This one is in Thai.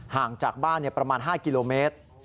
ห่างจากบ้านประมาณ๕กิโลเมตร